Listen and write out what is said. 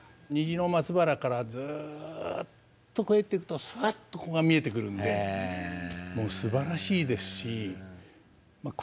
虹の松原からずっと越えていくとスッとここが見えてくるんでもうすばらしいですし。